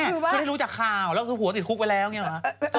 เค้าได้รู้จากข่าวแล้วหัวติดคุกไปแล้วเงี่ยนะ